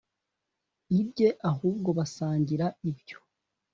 ibye ahubwo basangiraga ibyo